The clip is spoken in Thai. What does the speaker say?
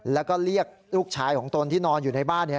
แล้วก็เรียกลูกชายของตนที่นอนอยู่ในบ้าน